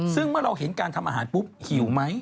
ซึ่งเมื่อเราเห็นการทำอาหารปุ๊บหิวไหม